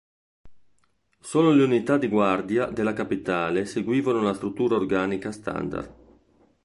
Solo le unità di guardia della capitale seguivano la struttura organica standard.